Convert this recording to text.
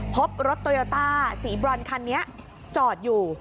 พบรถโตโยต้าสีบรอนคันนี้จอดอยู่